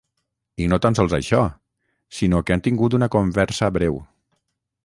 I no tan sols això, sinó que han tingut una conversa breu.